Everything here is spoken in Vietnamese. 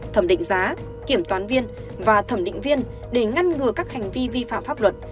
thẩm định giá kiểm toán viên và thẩm định viên để ngăn ngừa các hành vi vi phạm pháp luật